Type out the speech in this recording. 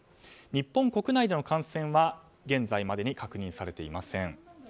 日本国内での感染は現在までに確認されていません。